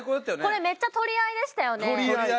これめっちゃ取り合いでしたよね。